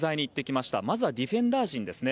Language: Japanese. まずはディフェンダー陣ですね。